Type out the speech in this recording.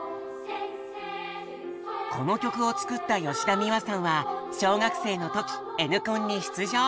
この曲を作った吉田美和さんは小学生の時「Ｎコン」に出場。